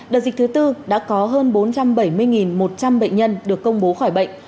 đợt dịch thứ tư đã có hơn bốn trăm bảy mươi một trăm linh bệnh nhân được công bố khỏi bệnh